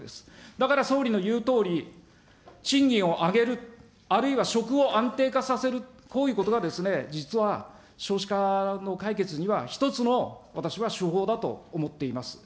だから総理の言うとおり、賃金を上げる、あるいは、職を安定化させる、こういうことがですね、実は少子化の解決には１つの私は手法だと思っています。